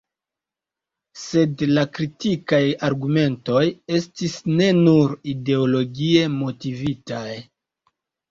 Sed la kritikaj argumentoj estis ne nur ideologie motivitaj.